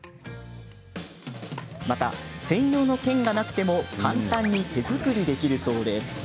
また専用の剣がなくても簡単に手作りできるそうです。